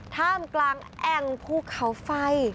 ท่ามกลางแอ่งภูเขาไฟ